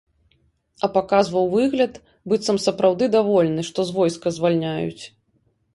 А паказваў выгляд, быццам сапраўды давольны, што з войска звальняюць.